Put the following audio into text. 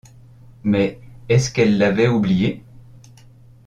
Mais est-ce qu’elle l’avait oublié?